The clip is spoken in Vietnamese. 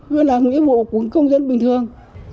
như là nghĩa vụ của công dân bình thường